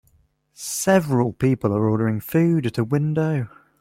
Several people are ordering food at a window.